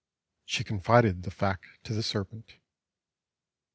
She confided the fact to the Serpent.